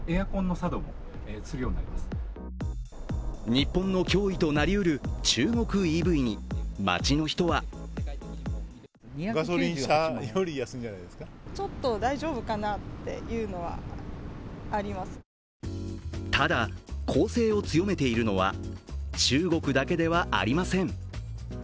日本の脅威となり得る中国ＥＶに、街の人はただ、攻勢を強めているのは中国だけではありません。